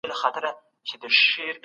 د افریقا هېوادونه یادېږي.